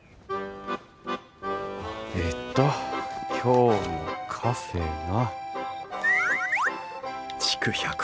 えっと今日のカフェが。